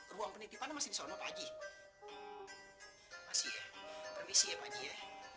ruang penitipan masih sono pagi masih ya permisi ya pagi ya